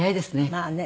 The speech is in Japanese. まあね。